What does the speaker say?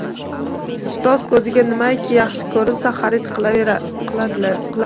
Ustoz ko’ziga nimaiki yaxshi ko’rinsa xarid qilaverdilar.